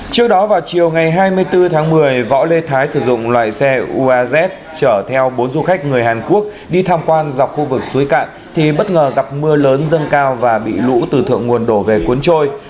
trước đó vào chiều ngày hai mươi bốn tháng một mươi võ lê thái sử dụng loại xe uaz chở theo bốn du khách người hàn quốc đi tham quan dọc khu vực suối cạn thì bất ngờ gặp mưa lớn dâng cao và bị lũ từ thượng nguồn đổ về cuốn trôi